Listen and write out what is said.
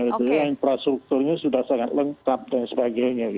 infrastrukturnya sudah sangat lengkap dan sebagainya